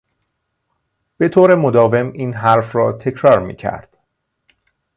به طور مداوم این حرف را تکرار میکرد